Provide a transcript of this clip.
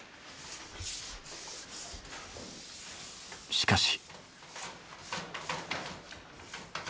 しかし。